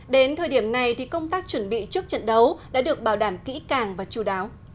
đến thời điểm này thì công tác chuẩn bị trước trận đấu đã được bảo đảm kỹ càng và chú đáo